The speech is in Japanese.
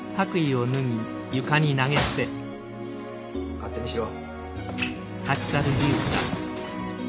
勝手にしろ。